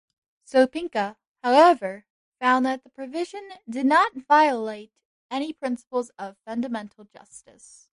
Sopinka, however, found that the provision did not violate any principles of fundamental justice.